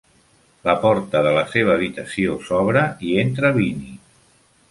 La porta de la seva habitació s'obre, i entra Vinnie.